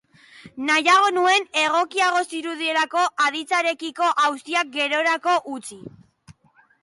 Nahiago nuen, egokiago zirudielako, aditzarekiko auziak gerorako utzi.